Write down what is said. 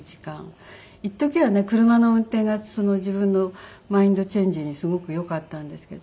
いっときはね車の運転が自分のマインドチェンジにすごくよかったんですけど。